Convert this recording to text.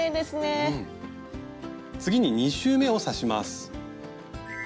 次に２周めを刺します。